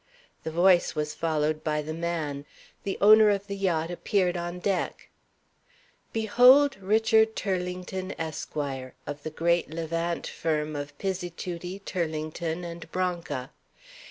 The voice was followed by the man. The owner of the yacht appeared on deck. Behold Richard Turlington, Esq., of the great Levant firm of Pizzituti, Turlington & Branca!